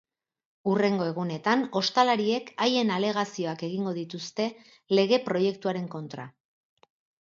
Hurrengo egunetan ostalariek haien alegazioak egingo dituzte lege proiektuaren kontra.